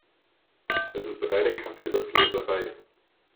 Das ist reine Kaffeesatzleserei.